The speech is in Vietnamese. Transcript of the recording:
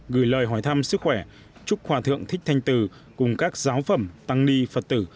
gửi lời hỏi thăm sức khỏe chúc hòa thượng thích thanh từ cùng các giáo phẩm tăng ni phật tử